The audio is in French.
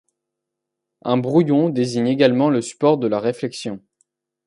Un brouillon désigne également le support de la réflexion.